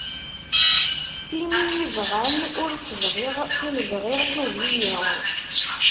Tin i y-ibɣan ur tt-bɣiɣ, tin bɣiɣ tugi-yi.